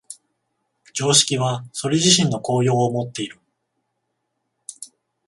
常識はそれ自身の効用をもっている。